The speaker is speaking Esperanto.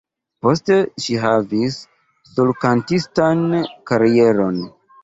Poste ŝi havis solkantistan karieron.